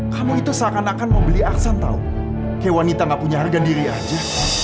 kamu itu seakan akan mau beli aksan tau kayak wanita nggak punya harga diri aja